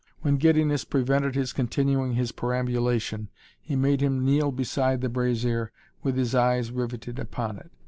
When giddiness prevented his continuing his perambulation he made him kneel beside the brazier with his eyes riveted upon it.